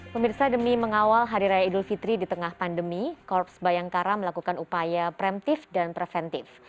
pemirsa demi mengawal hari raya idul fitri di tengah pandemi korps bayangkara melakukan upaya preventif dan preventif